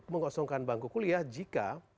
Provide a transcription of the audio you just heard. mengosongkan bangku kuliah jika